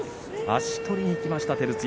足取りでいきました照強。